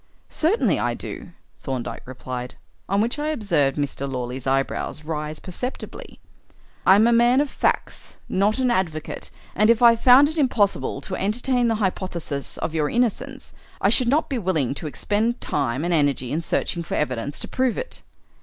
"Certainly I do," Thorndyke replied, on which I observed Mr. Lawley's eyebrows rise perceptibly. "I am a man of facts, not an advocate, and if I found it impossible to entertain the hypothesis of your innocence, I should not be willing to expend time and energy in searching for evidence to prove it.